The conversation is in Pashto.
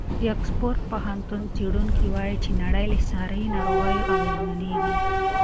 د اکسفورډ پوهنتون څېړونکي وایي چې نړۍ له ساري ناروغیو اغېزمنېږي.